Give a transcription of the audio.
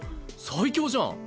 最強じゃん。